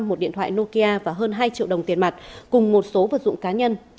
một điện thoại nokia và hơn hai triệu đồng tiền mặt cùng một số vật dụng cá nhân